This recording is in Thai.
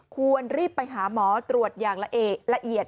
ควรรีบไปหาหมอตรวจอย่างละเอียด